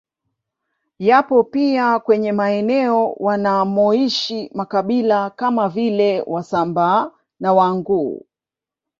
Yapo pia kwenye maeneo wanamoishi makabila kama vile Wasambaa na Wanguu